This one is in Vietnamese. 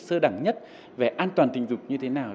sơ đẳng nhất về an toàn tình dục như thế nào